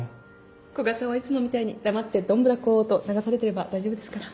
古賀さんはいつもみたいに黙ってどんぶらこと流されてれば大丈夫ですから。